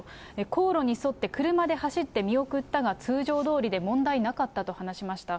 航路に沿って車で走って見送ったが、通常どおりで問題なかったと話しました。